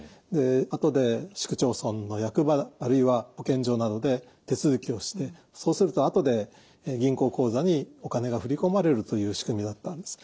後で市区町村の役場あるいは保健所などで手続きをしてそうすると後で銀行口座にお金が振り込まれるという仕組みだったんです。